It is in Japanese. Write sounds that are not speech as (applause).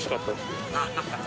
ハハハ (laughs)